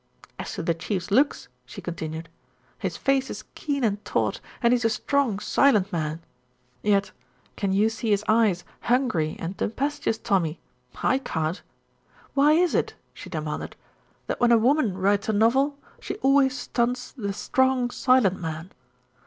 "As to the Chief's looks," she continued, "his face is keen and taut, and he's a strong, silent man; yet can you see his eyes hungry and tempestuous, Tommy? I can't. Why is it," she demanded, "that when a woman writes a novel she always stunts the strong, silent man?"